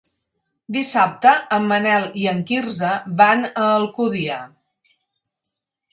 Dissabte en Manel i en Quirze van a Alcúdia.